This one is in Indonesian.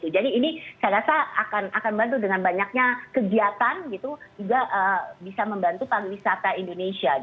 jadi ini saya rasa akan membantu dengan banyaknya kegiatan juga bisa membantu para wisata indonesia